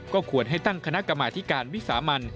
ก็ควรให้ตั้งคณะกรรมาธิการวิสามัน